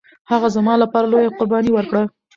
هغه زما لپاره لويه قرباني ورکړه